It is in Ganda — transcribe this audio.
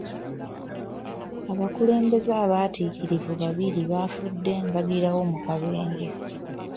Abakulembeze abaatiikirivu babiri baafudde mbagirawo mu kabenje.